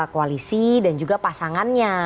koalisi dan juga pasangannya